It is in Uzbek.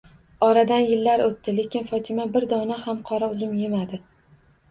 Oradan yillar o'tdi, lekin Fotima bir dona ham qora uzum yemadi.